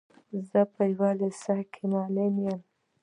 زه په يوه لېسه کي معلم يم.